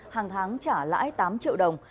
hàng tháng trả lãi tám triệu đồng